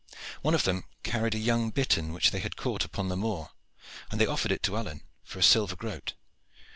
One of them carried a young bittern which they had caught upon the moor, and they offered it to Alleyne for a silver groat.